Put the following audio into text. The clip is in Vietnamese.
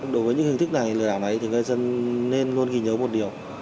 đối với những hình thức này lừa đảo này người dân nên luôn ghi nhớ một điều